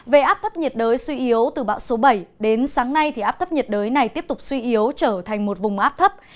về áp thấp nhiệt đới suy yếu từ bão số bảy đến sáng nay thì áp thấp nhiệt đới này tiếp tục suy yếu trở thành một vùng áp thấp